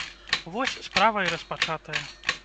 Вось, справа і распачатая.